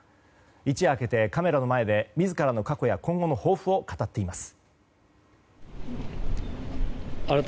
一夜明けてカメラの前で自らの過去や今後の抱負を語っています。